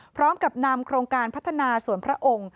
พร้อมกับนำโครงการพัฒนาส่วนพระองค์